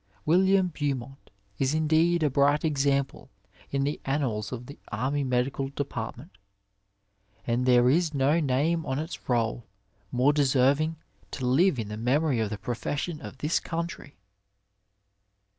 William Beaumont b indeed a bright example in the annals of the Army Medical Department, and there is no name on its roll more deserving to live in the memory of the profession of this country.